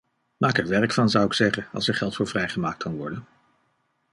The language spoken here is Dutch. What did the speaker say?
Maak er werk van, zou ik zeggen, als er geld voor vrijgemaakt kan worden.